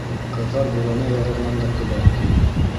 Ҡыҙҙар бүрәнә ярығынан да көлә, ти.